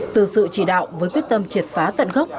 từ sự chỉ đạo với quyết tâm triệt phá tận gốc